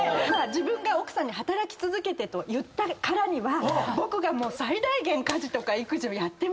自分が奥さんに働き続けてと言ったからには僕が最大限家事とか育児をやってますと。